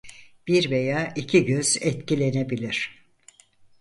Bir veya iki göz etkilenebilir.